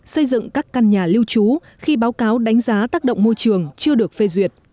xây dựng các căn nhà lưu trú khi báo cáo đánh giá tác động môi trường chưa được phê duyệt